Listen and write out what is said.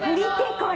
これ。